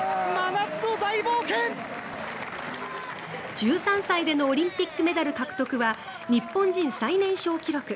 １３歳でのオリンピックメダル獲得は日本人最年少記録。